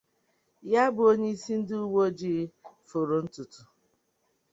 ya bụ onyeisi ndị uwe ojii fòòro ntutu